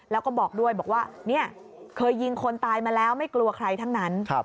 แล้วก็บอกด้วยบอกว่าเนี่ยเคยยิงคนตายมาแล้วไม่กลัวใครทั้งนั้น